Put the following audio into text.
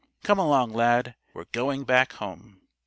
Come along, Lad, we're going back home."